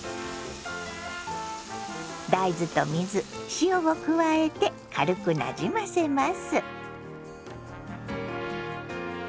大豆と水塩を加えて軽くなじませます。